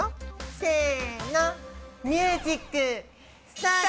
せの！